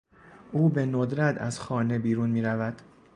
او به ندرت از خانه بیرون میرود.